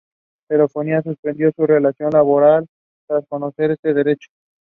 Daniels's writing has some recurring themes.